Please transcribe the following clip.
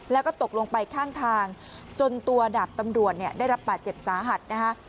แล้วก็ตกลงไปข้างทางจนตัวดับตำรวจได้รับบาดเจ็บสาหัด